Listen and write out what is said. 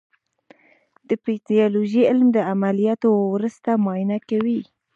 د پیتالوژي علم د عملیاتو وروسته معاینه کوي.